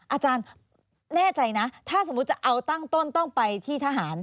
อาจารย์แน่ใจนะถ้าสมมุติจะเอาตั้งต้นต้องไปที่ทหาร